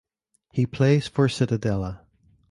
He plays for Cittadella.